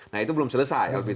nah itu belum selesai